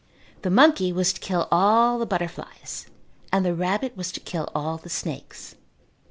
The monkey was to kill all the butterflies and the rabbit was to kill all the snakes.